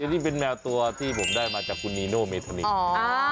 นี่เป็นแมวตัวที่ผมได้มาจากคุณนีโนเมธานิน